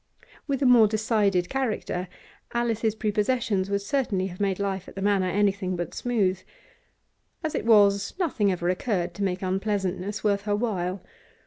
With a more decided character, Alice's prepossessions would certainly have made life at the Manor anything but smooth; as it was, nothing ever occurred to make unpleasantness worth her while.